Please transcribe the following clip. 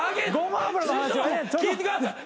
師匠聞いてください！